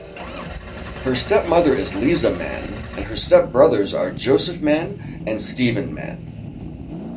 Her stepmother is Lise Menn, and her stepbrothers are Joseph Menn and Stephen Menn.